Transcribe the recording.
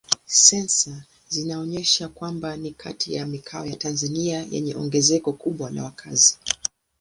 Sensa zinaonyesha kwamba ni kati ya mikoa ya Tanzania yenye ongezeko kubwa la wakazi.